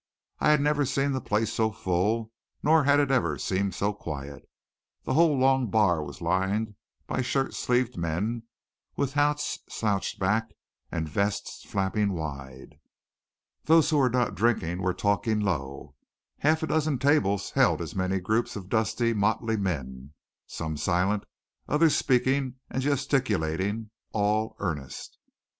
I had never seen the place so full, nor had it ever seemed so quiet. The whole long bar was lined by shirt sleeved men, with hats slouched back and vests flapping wide. Those who were not drinking were talking low. Half a dozen tables held as many groups of dusty, motley men, some silent, others speaking and gesticulating, all earnest.